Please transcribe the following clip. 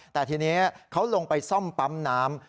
แต่ทีนี้เขาลงไปซ่อมปั๊มน้ำ